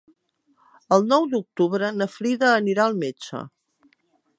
El nou d'octubre na Frida anirà al metge.